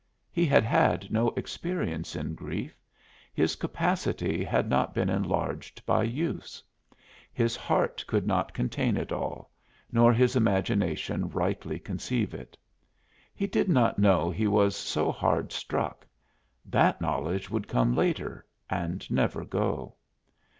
He had had no experience in grief; his capacity had not been enlarged by use. His heart could not contain it all, nor his imagination rightly conceive it. He did not know he was so hard struck; that knowledge would come later, and never go.